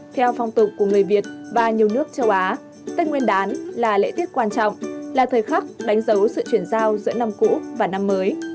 theo phong tục của người việt và nhiều nước châu á tết nguyên đán là lễ tiết quan trọng là thời khắc đánh dấu sự chuyển giao giữa năm cũ và năm mới